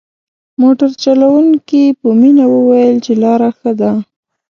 موټر چلوونکي په مينه وويل چې لاره ښه ده.